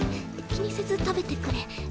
気にせず食べてくれ。